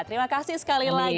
terima kasih sekali lagi